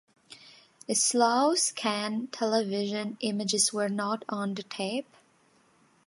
The slow-scan television images were not on the tape.